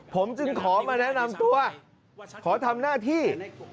ผมจึงขอมาแนะนำตัวขอทำหน้าที่